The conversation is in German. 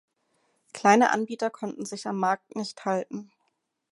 Kleine Anbieter konnten sich am Markt nicht halten.